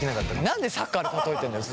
何でサッカーで例えてんだよ